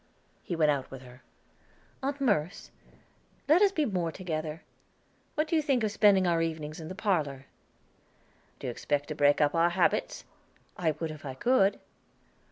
He went out with her. "Aunt Merce, let us be more together. What do you think of spending our evenings in the parlor?" "Do you expect to break up our habits?" "I would if I could."